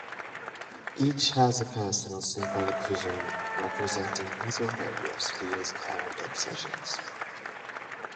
Each has a personal symbolic vision representing his or her worst fears and obsessions.